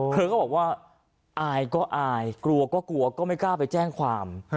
เธอก็บอกว่าอายก็อายกลัวก็กลัวก็ไม่กล้าไปแจ้งความ